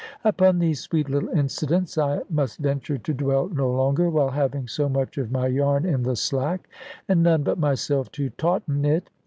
Upon these sweet little incidents I must venture to dwell no longer, while having so much of my yarn in the slack, and none but myself to tauten it.